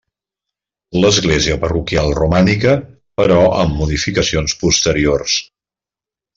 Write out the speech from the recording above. L'església parroquial, romànica però amb modificacions posteriors.